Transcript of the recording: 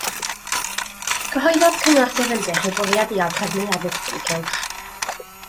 Cyhoeddodd Cyngor Sir Ddinbych eu bwriad i aildrefnu addysg yn y cylch.